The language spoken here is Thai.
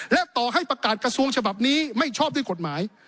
และต่อให้ประกาศกระทรวงฉบับนี้ไม่ชอบด้วยกฎหมาย